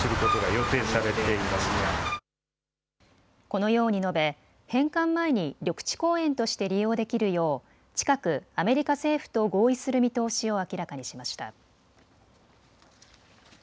このように述べ、返還前に緑地公園として利用できるよう近くアメリカ政府と合意する見通しを明らかにしました。